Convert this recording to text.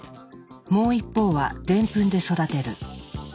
もう一方はでんぷんで育てる。